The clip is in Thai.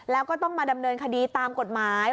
แล้วก็ต้องมาดำเนินคดีตามกฎหมาย